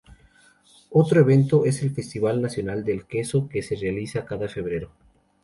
Otro evento es el Festival Nacional del Queso que se realiza cada febrero.